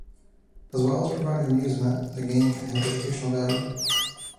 As well as providing amusement, the game can have educational value.